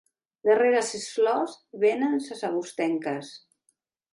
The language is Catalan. Darrere ses flors venen ses agostenques.